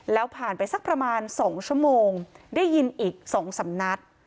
แล้วผ่านไปสักประมาณ๒ชั่วโมงได้ยินอีก๒สำนัด